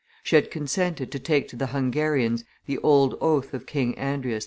She had consented to take to the Hungarians the old oath of King Andreas II.